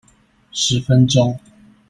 十分鐘